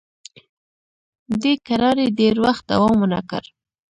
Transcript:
دې کراري ډېر وخت دوام ونه کړ.